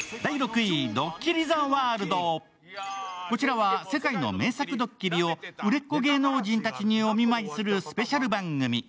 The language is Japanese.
こちらは世界の名作ドッキリを売れっ子芸能人たちにお見舞いするスペシャル番組。